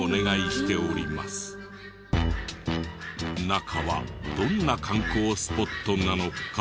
中はどんな観光スポットなのか？